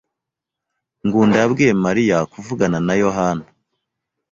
Ngunda yabwiye Mariya kuvugana na Yohana.